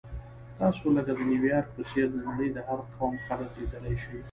تاسو لکه د نیویارک په څېر د نړۍ د هر قوم خلک لیدلی شئ.